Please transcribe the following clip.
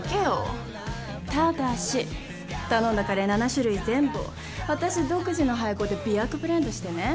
ただし頼んだカレー７種類全部を私独自の配合で媚薬ブレンドしてね。